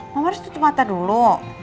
mama harus tutup mata dulu